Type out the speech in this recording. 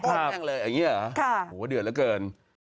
ออกแม่งเลยอย่างนี้หรอโอ้โฮเดือดเหลือเกิน